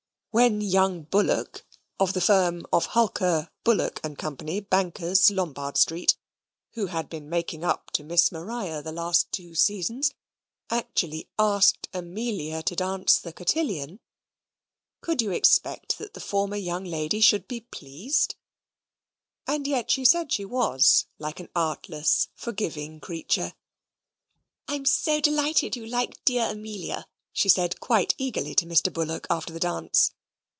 When young Bullock (of the firm of Hulker, Bullock & Co., Bankers, Lombard Street), who had been making up to Miss Maria the last two seasons, actually asked Amelia to dance the cotillon, could you expect that the former young lady should be pleased? And yet she said she was, like an artless forgiving creature. "I'm so delighted you like dear Amelia," she said quite eagerly to Mr. Bullock after the dance.